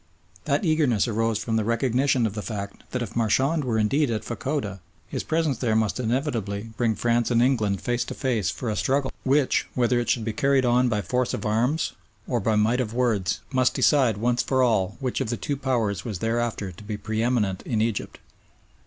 That eagerness arose from the recognition of the fact that if Marchand were indeed at Fachoda, his presence there must inevitably bring France and England face to face for a struggle which, whether it should be carried on by force of arms or by might of words, must decide once for all which of the two Powers was thereafter to be pre eminent in Egypt.